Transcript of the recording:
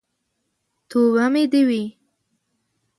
توبه مې دې وي.